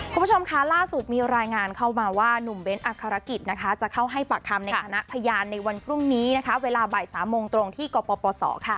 คุณผู้ชมค่ะล่าสุดมีรายงานเข้ามาว่าหนุ่มเบ้นอักษรกิจนะคะจะเข้าให้ปากคำในคณะพยานในวันพรุ่งนี้นะคะเวลาบ่าย๓โมงตรงที่กปศค่ะ